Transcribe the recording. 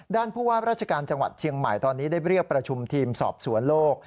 ผู้ว่าราชการจังหวัดเชียงใหม่ตอนนี้ได้เรียกประชุมทีมสอบสวนโลก